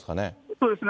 そうですね。